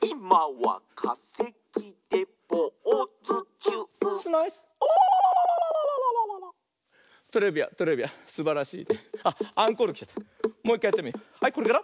はいこれから。